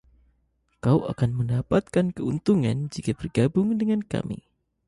Kau akan mendapatkan keuntungan jika bergabung dengan kami.